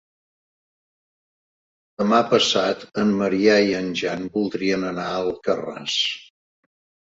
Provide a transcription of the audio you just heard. Demà passat en Maria i en Jan voldrien anar a Alcarràs.